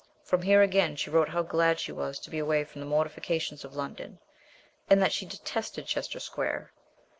From here again she wrote how glad she was to be away from the mortifications of London, and that she detested Chester Square.